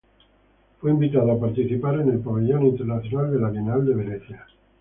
Fue invitado a participar en el pabellón internacional de la Bienal de Venecia.